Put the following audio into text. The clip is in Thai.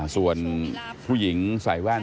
ส่วนผู้หญิงใส่แว่น